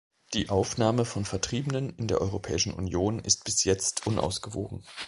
Die Aufnahme von Vertriebenen in der Europäischen Union ist bis jetzt unausgewogen.